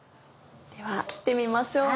では切ってみましょう。